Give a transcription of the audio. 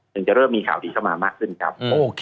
จะเริ่มมีข่าวดีเข้ามามากขึ้นครับ